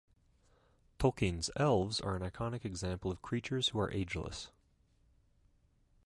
Tolkien's Elves are an iconic example of creatures who are ageless.